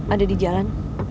ada di jalan